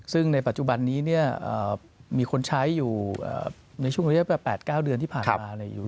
ซึ่งในปัจจุบันนี้เนี่ยมีคนใช้อยู่ในช่วงเรียกว่า๘๙เดือนที่ผ่านมาเนี่ย